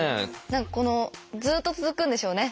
何かこのずっと続くんでしょうね